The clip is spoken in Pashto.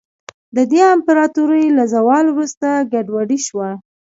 د دې امپراتورۍ له زوال وروسته ګډوډي شوه.